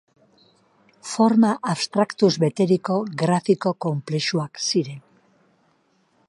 Forma abstraktuz beteriko grafiko konplexuak ziren.